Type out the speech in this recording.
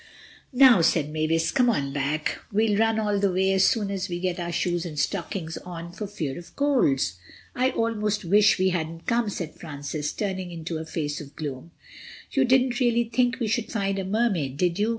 "Now," said Mavis, "come on back. We'll run all the way as soon as we get our shoes and stockings on for fear of colds." "I almost wish we hadn't come," said Francis, turning with a face of gloom. "You didn't really think we should find a Mermaid, did you?"